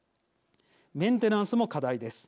メンテナンスも課題です。